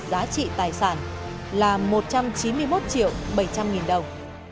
giá trị tài sản là một trăm chín mươi một triệu bảy trăm linh nghìn đồng